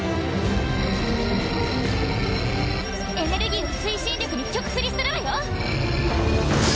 エネルギーを推進力に極振りするわよ！